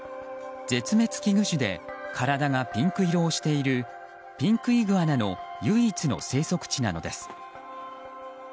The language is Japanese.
絶滅危惧種で体がピンク色をしているピンクイグアナの唯一の生息地なのです。